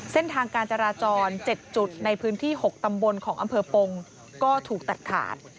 เส้นทางการจราจร๗จุดในพื้นที่๖ตำบลของอำเภอปงก็ถูกตัดขาด